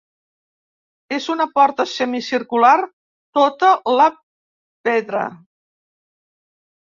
És una porta semicircular tota la pedra.